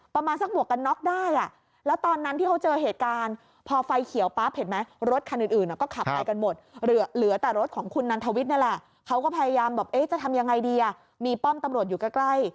เอ๊ะจะทำยังไงดีมีป้อมตำรวจอยู่ใกล้